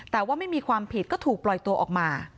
แต่ว่าไม่มีความผิดก็ถูกปล่อยตัวออกมา